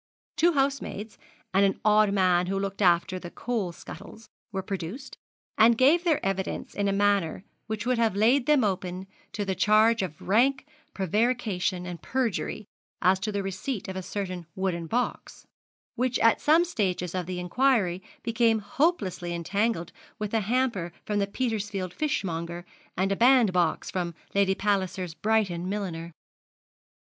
Two housemaids, and an odd man who looked after the coal scuttles, were produced, and gave their evidence in a manner which would have laid them open to the charge of rank prevarication and perjury, as to the receipt of a certain wooden box, which at some stages of the inquiry became hopelessly entangled with a hamper from the Petersfield fishmonger, and a band box from Lady Palliser's Brighton milliner.